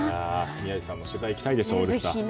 宮司さんも取材に行きたいでしょうね。